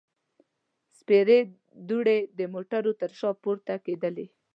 سپېرې دوړې د موټرو تر شا پورته کېدلې.